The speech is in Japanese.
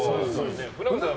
船越さん